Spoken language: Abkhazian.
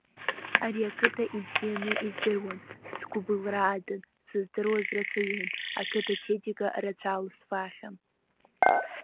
Ари ақыҭа ибзианы издыруан, сгәыбылра адын, сыздыруаз рацәаҩын, ақыҭа ачеиџьыка рацәа алысфаахьан.